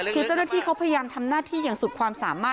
คือเจ้าหน้าที่เขาพยายามทำหน้าที่อย่างสุดความสามารถ